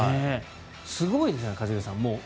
すごいですね、一茂さん。